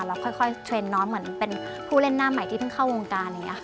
แล้วค่อยเทรนด์น้องเหมือนเป็นผู้เล่นหน้าใหม่ที่เพิ่งเข้าวงการอะไรอย่างนี้ค่ะ